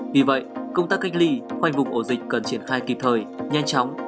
vì vậy công tác cách ly hoành vụng ổ dịch cần triển khai kịp thời nhanh chóng